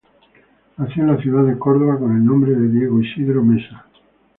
Nació en la ciudad de Córdoba con el nombre de Diego Isidro Mesa.